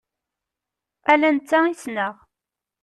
Ala netta i ssneɣ.